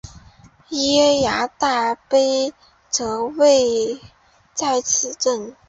耶涯大坝则位在此镇。